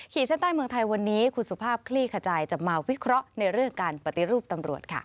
เส้นใต้เมืองไทยวันนี้คุณสุภาพคลี่ขจายจะมาวิเคราะห์ในเรื่องการปฏิรูปตำรวจค่ะ